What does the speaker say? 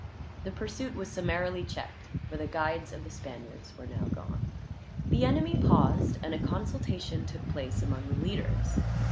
The pursuit was summarily checked, for the guides of the Spaniards were now gone. The enemy paused, and a consultation took place among the leaders.